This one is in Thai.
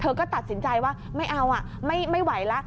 เธอก็ตัดสินใจว่าไม่เอาอ่ะไม่ไหวละ